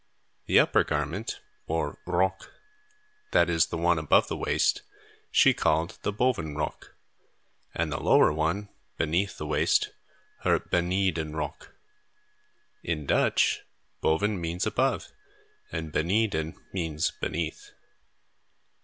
The upper garment, or "rok," that is, the one above the waist, she called the "boven rok" and the lower one, beneath the waist, her "beneden rok." In Dutch "boven" means above and "beneden" means beneath.